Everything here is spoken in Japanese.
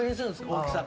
大きさ。